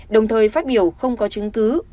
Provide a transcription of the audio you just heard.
đồng thời phát biểu không có chứng cứ